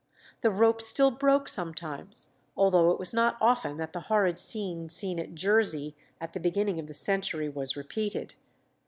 The rope still broke sometimes, although it was not often that the horrid scene seen at Jersey at the beginning of the century was repeated.